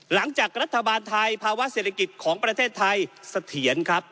หลังจากรัฐบาลไทยภาวะเศรษฐกิจของประเทศไทยเสถียรครับ